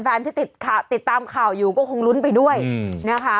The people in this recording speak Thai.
แฟนที่ติดตามข่าวอยู่ก็คงลุ้นไปด้วยนะคะ